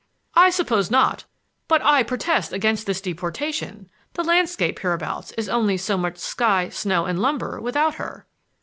"I suppose not! But I protest against this deportation. The landscape hereabouts is only so much sky, snow and lumber without her."